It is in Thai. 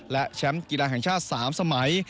และแชมป์กีฬาแห่งชาติ๓สมัย